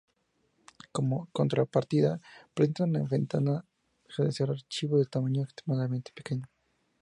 Como contrapartida presentan la ventaja de ser archivos de tamaño extremadamente pequeño.